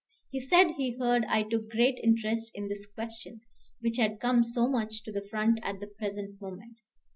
He said he heard I took great interest in this question, which had come so much to the front at the present moment.